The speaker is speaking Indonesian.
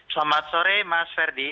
selamat sore mas ferdi